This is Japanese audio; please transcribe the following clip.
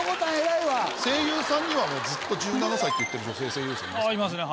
声優さんにはもうずっと１７歳って言ってる女性声優さんいますからね。